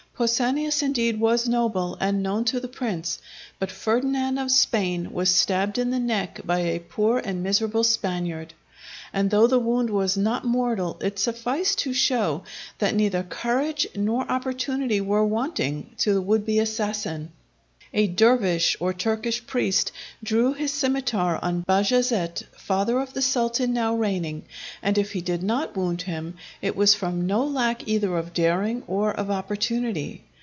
Pausanias indeed was noble, and known to the prince, but Ferdinand of Spain was stabbed in the neck by a poor and miserable Spaniard; and though the wound was not mortal, it sufficed to show that neither courage nor opportunity were wanting to the would be assassin. A Dervish, or Turkish priest, drew his scimitar on Bajazet, father of the Sultan now reigning, and if he did not wound him, it was from no lack either of daring or of opportunity.